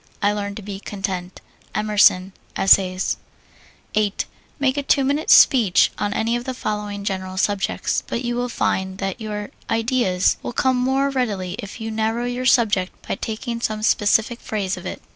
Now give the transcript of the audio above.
I learn to be content. EMERSON, Essays. 8. Make a two minute speech on any of the following general subjects, but you will find that your ideas will come more readily if you narrow your subject by taking some specific phase of it.